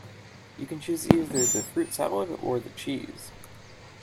You can choose either the fruit salad or the cheese